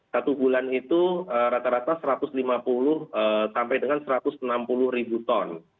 satu bulan itu rata rata satu ratus lima puluh sampai dengan satu ratus enam puluh ribu ton